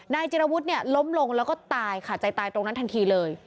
นายจิระวุฒล้มลงแล้วก็ตายค่ะใจตายตรงนั้นทันทีเลย